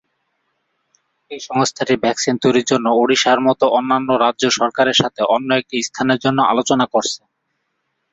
এই সংস্থাটি ভ্যাকসিন তৈরির জন্য ওড়িশার মতো অন্যান্য রাজ্য সরকারের সাথে অন্য একটি স্থানের জন্য আলোচনা করছে।